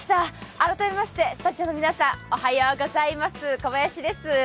改めまして、スタジオの皆さん、おはようございます、小林です。